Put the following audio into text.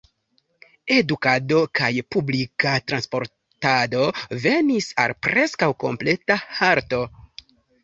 Edukado kaj publika transportado venis al preskaŭ kompleta halto.